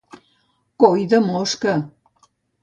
Coi de mosca!